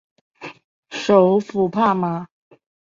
首府帕马。